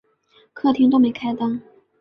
客厅都没开灯